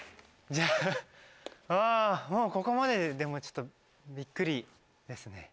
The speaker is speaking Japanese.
じゃあもうここまででもちょっとビックリですね。